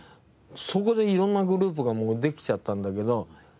そこで色んなグループがもうできちゃったんだけど。